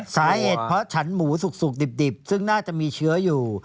สาเหตุเพราะฉันหมูสุกดิบซึ่งน่าจะมีเชื้ออยู่